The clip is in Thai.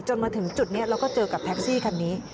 มาถึงจุดนี้เราก็เจอกับแท็กซี่คันนี้